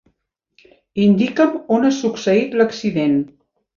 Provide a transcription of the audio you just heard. Indica'm on ha succeït l'accident.